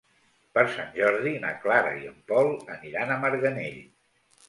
Per Sant Jordi na Clara i en Pol aniran a Marganell.